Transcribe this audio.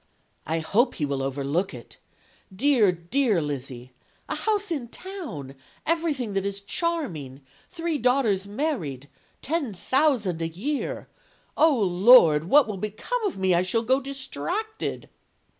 I hope he will overlook it. Dear, dear Lizzy! A house in town! Everything that is charming! Three daughters married! Ten thousand a year! Oh, Lord! what will become of me? I shall go distracted.'